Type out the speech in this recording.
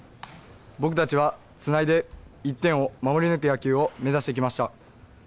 僕たちはつないで１点を守り抜く野球を目指してきました。